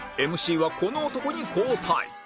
ＭＣ はこの男に交代